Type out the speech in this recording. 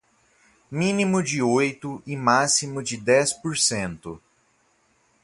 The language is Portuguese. mínimo de oito e máximo de dez por cento